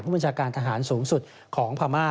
บัญชาการทหารสูงสุดของพม่า